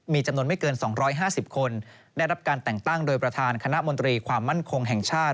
มีจำนวนไม่เกิน๒๕๐คนได้รับการแต่งตั้งโดยประธานคณะมนตรีความมั่นคงแห่งชาติ